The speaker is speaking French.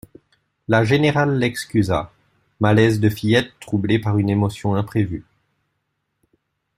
La générale l'excusa: malaise de fillette troublée par une émotion imprévue.